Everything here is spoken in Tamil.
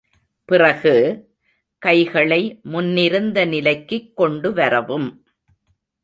பிறகு, கைகளை முன்னிருந்த நிலைக்குக் கொண்டு வரவும்.